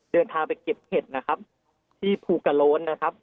เดินทางไปเก็บเห็ดนะครับที่ภูกระโล้นนะครับ